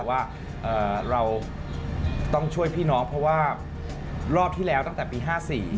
ว่าเราต้องช่วยพี่น้องเพราะว่ารอบที่แล้วตั้งแต่ปี๕๔